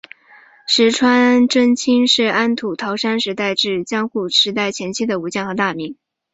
石川贞清是安土桃山时代至江户时代前期的武将和大名。